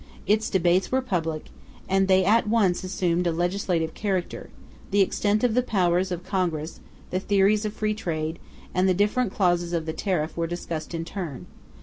Its debates were public, and they at once assumed a legislative character; the extent of the powers of Congress, the theories of free trade, and the different clauses of the tariff, were discussed in turn.